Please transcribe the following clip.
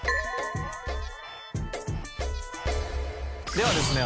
ではですね